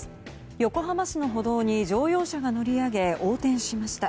横浜市の歩道に乗用車が乗り上げ横転しました。